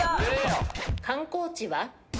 観光地は？